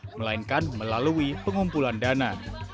melainkan melalui pengumpulan dana